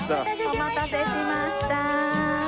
お待たせしました。